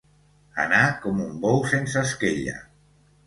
Anar com un bou sense esquella.